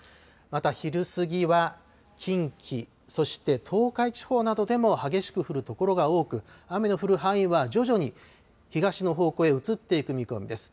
また、昼過ぎは近畿、そして東海地方などでも激しく降る所が多く、雨の降る範囲は徐々に東の方向へ移っていく見込みです。